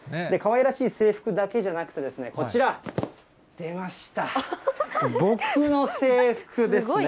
かわいらしい制服だけじゃなくて、こちら、出ました。